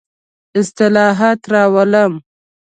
اصلاحات راولم.